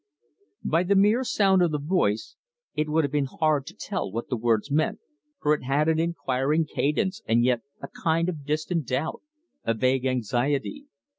By the mere sound of the voice it would have been hard to tell what the words meant, for it had an inquiring cadence and yet a kind of distant doubt, a vague anxiety.